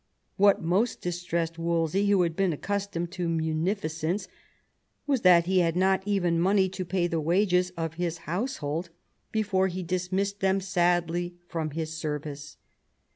What most distressed Wolsey, who had been accustomed to munificence, was that he had not even money to pay the wages of his household before he dis missed them sadly from his service.